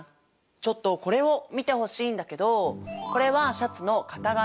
ちょっとこれを見てほしいんだけどこれはシャツの型紙。